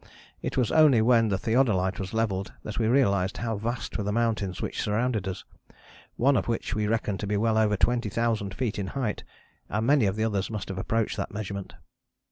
It was only when the theodolite was levelled that we realized how vast were the mountains which surrounded us: one of which we reckoned to be well over twenty thousand feet in height, and many of the others must have approached that measurement.